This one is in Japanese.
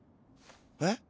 えっ？